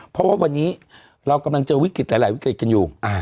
เพราะว่าวันนี้เรากำลังเจอวิกฤตหลายวิกฤตกันอยู่